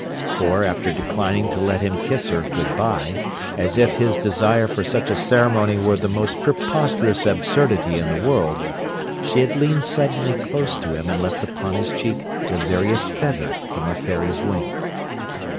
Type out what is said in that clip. For, after declining to let him kiss her "good bye," as if his desire for such a ceremony were the most preposterous absurdity in the world, she had leaned suddenly close to him and left upon his cheek the veriest feather from a fairy's wing.